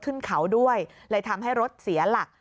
ขึ้นเขาด้วยเลยทำให้รถเสียหลัก